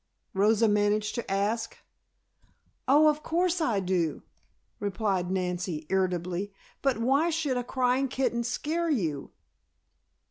Rosa managed to ask. "Oh, of course I do," replied Nancy irritably. "But why should a crying kitten scare you?"